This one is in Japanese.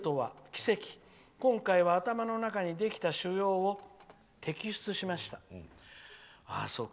「今回は頭の中にできた腫瘍を摘出しました。